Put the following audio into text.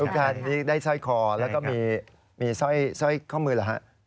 ทุกคนนี่ได้ซ่อยคอแล้วก็มีซ่อยข้อมือหรือฮะ